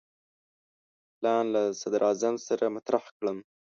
پلان له صدراعظم سره مطرح کړم.